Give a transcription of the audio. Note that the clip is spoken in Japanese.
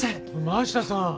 真下さん。